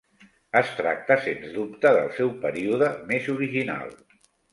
Es tracta sens dubte del seu període més original.